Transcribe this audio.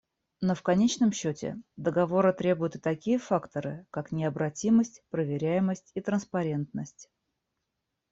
Но в конечном счете договора требуют и такие факторы, как необратимость, проверяемость и транспарентность.